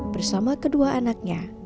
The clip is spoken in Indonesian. bersama kedua anaknya